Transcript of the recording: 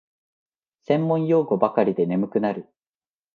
専門用語ばかりで眠くなる